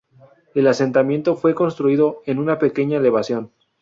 El asentamiento fue construido en una pequeña elevación.